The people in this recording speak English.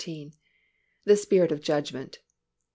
_The Spirit of Judgment.